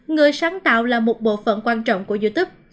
người sáng tạo là một bộ phận quan trọng của youtube